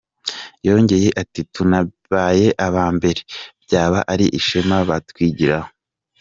Yongeye ati “ Tunabaye aba mbere byaba ari ishema batwigiraho.